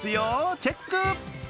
チェック！